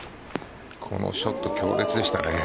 このショット、強烈でしたね。